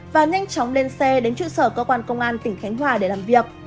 và nhanh chóng lên xe đến trụ sở cơ quan công an tỉnh khánh hòa để làm việc